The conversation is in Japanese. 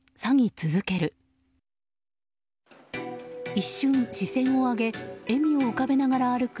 一瞬、視線を上げ笑みを浮かべながら歩く